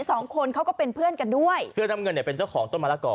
สองคนเขาก็เป็นเพื่อนกันด้วยเสื้อน้ำเงินเนี่ยเป็นเจ้าของต้นมะละกอ